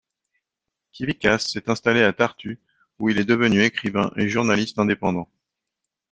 Kivikas s'est installé à Tartu, où il est devenu écrivain et journaliste indépendant.